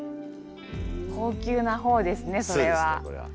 高級な方ですねそれは。